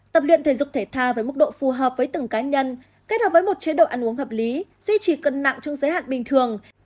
tập luyện thể dục thể thao với mức độ phù hợp với từng cá nhân kết hợp với một chế độ ăn uống hợp lý duy trì cân nặng trong giới hạn bình thường